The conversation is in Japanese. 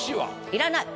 いらない。